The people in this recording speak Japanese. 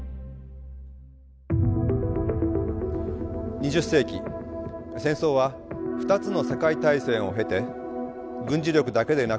２０世紀戦争は２つの世界大戦を経て軍事力だけでなく国家の経済力や技術力など